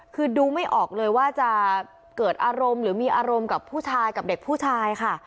คือดูไม่ออกเลยว่าจะเกิดอารมณ์หรือมีอารมณ์กับผู้ชายกับเด็กผู้ชายค่ะ